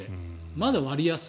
まだ割安。